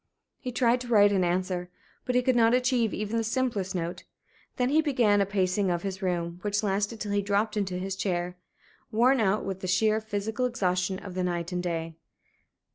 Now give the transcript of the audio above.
He tried to write an answer, but could not achieve even the simplest note. Then he began a pacing of his room, which lasted till he dropped into his chair, worn out with the sheer physical exhaustion of the night and day.